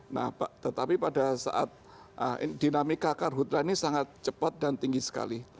nah tetapi pada saat dinamika karhutlah ini sangat cepat dan tinggi sekali